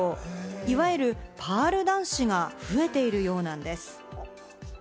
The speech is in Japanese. いわゆるパール男子が増えているようなんです。